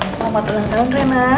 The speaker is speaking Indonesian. selamat ulang tahun reina